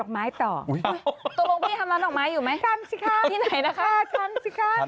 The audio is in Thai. ไม่ไปค่ะคุณผู้ชม